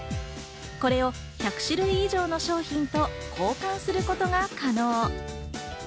これを１００種類以上の商品と交換することが可能。